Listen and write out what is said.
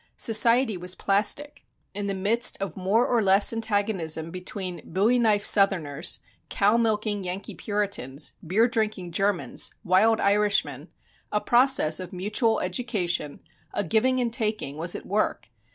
Society was plastic. In the midst of more or less antagonism between "bowie knife Southerners," "cow milking Yankee Puritans," "beer drinking Germans," "wild Irishmen," a process of mutual education, a giving and taking, was at work.